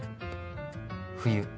冬。